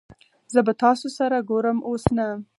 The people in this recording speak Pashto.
زه به تاسو سره ګورم اوس نه